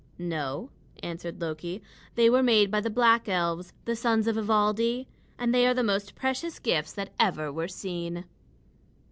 "No," answered Loki; "they were made by the black elves, the sons of Ivaldi. And they are the most precious gifts that ever were seen."